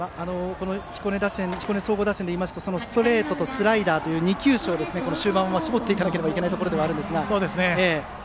彦根総合打線でいいますとストレートとスライダーという２球種を終盤は絞っていかないといけないところですが。